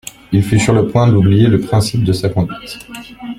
Il fut sur le point d'oublier le principe de sa conduite.